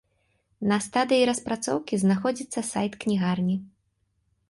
На стадыі распрацоўкі знаходзіцца сайт кнігарні.